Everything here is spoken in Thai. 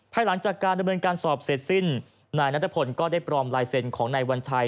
หลังจากการดำเนินการสอบเสร็จสิ้นนายนัทพลก็ได้ปลอมลายเซ็นต์ของนายวัญชัย